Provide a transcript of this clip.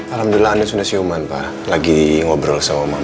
alhamdulillah anda sudah siuman pak lagi ngobrol sama ibu di dalam